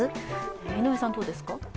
井上さんはどうですか？